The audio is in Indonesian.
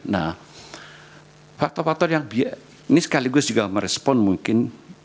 nah faktor faktor yang ini sekaligus juga merespon mungkin